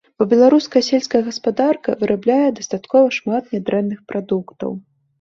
Бо беларуская сельская гаспадарка вырабляе дастаткова шмат нядрэнных прадуктаў.